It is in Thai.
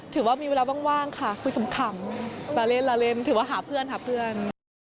ถือว่ามีเวลาว่างค่ะคุยคำขำละเล่นถือว่าหาเพื่อน